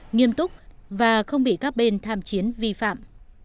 nghiêm túc và không bị các bên tham chiến vi phạm